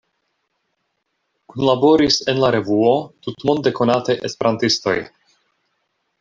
Kunlaboris en la revuo tutmonde konataj esperantistoj.